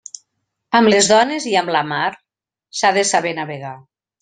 Amb les dones i amb la mar, s'ha de saber navegar.